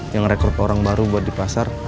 yang rekrut orang baru buat di pasar